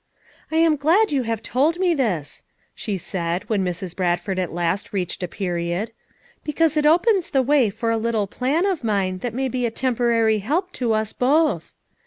"I am glad you have told me this," slie said, when Mrs. Bradford at last reached a period, "because it opens the way for a little plan of mine that may be a temporary help to us both.